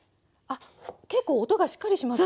結構音がしっかりしますよ。